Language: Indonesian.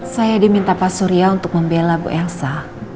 saya diminta pak surya untuk membela bu elsa